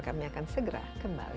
kami akan segera kembali